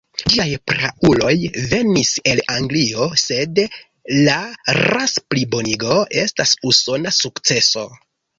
Ĝiaj prauloj venis el Anglio, sed la ras-plibonigo estas usona sukceso.